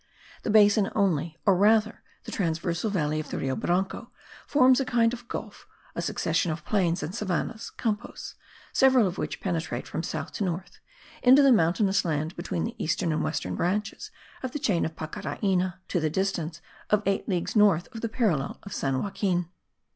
The basin only, or rather the transversal valley of the Rio Branco, forms a kind of gulf, a succession of plains and savannahs (campos) several of which penetrate from south to north, into the mountainous land between the eastern and western branches of the chain of Pacaraina, to the distance of eight leagues north of the parallel of San Joaquin.